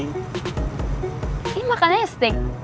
ini makan aja steak